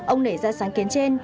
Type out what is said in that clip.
ông nể ra sáng kiến trên